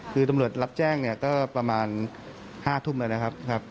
คือตำรวจรับแจ้งเนี่ยก็ประมาณ๕ทุ่มแล้วนะครับ